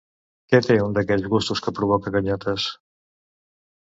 Que té un d'aquells gustos que provoca ganyotes.